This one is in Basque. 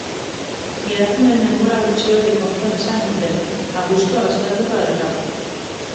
Geratzen den denbora gutxi hori kontuan izan dute, abuztua baztertuta baitago.